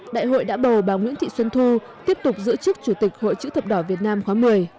đại hội đã bầu bà nguyễn thị xuân thu tiếp tục giữ chức chủ tịch hội chữ thập đỏ việt nam khóa một mươi